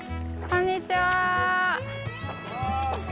こんにちは。